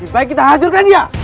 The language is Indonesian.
baik kita hajurkan dia